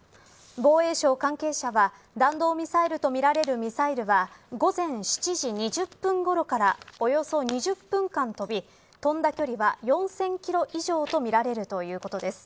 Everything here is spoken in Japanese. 防衛省関係者は弾道ミサイルとみられるミサイルは午前７時２０分ごろからおよそ２０分間飛び飛んだ距離は４０００キロ以上とみられるということです。